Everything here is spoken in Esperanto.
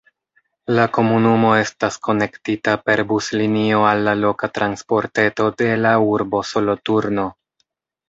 La komunumo estas konektita per buslinio al la loka transportreto de la urbo Soloturno.